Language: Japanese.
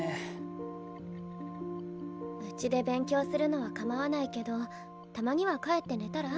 うちで勉強するのは構わないけどたまには帰って寝たら？